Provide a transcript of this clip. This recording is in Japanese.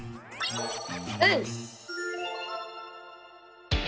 うん！